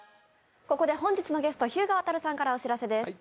ここで本日のゲスト日向亘さんからお知らせです。